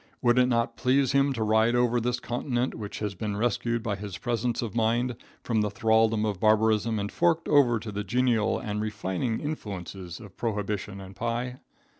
Would it not please him to ride over this continent which has been rescued by his presence of mind from the thraldom of barbarism and forked over to the genial and refining influences of prohibition and pie?